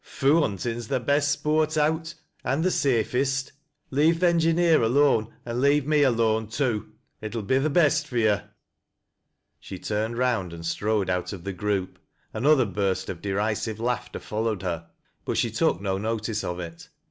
Foo' huntin's th' best sport out, an' th' safest. Leave th' engineer alone an' leave me alone too. It '11 be th' best fur yo'." She turned round and strode out of the group. Another burst of derisive laughter followed her, but she took no notice of it.